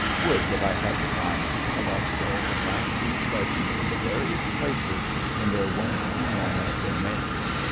Would that I had the time to collect all the Blackfeet legends of the various places in their once enormous domain.